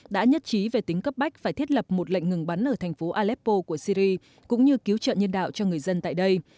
đã nhất trí về tính cấp bách phải thiết lập một lệnh ngừng bắn ở thành phố aleppo của syri cũng như cứu trợ nhân đạo cho người dân tại đây